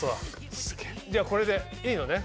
じゃあこれでいいのね？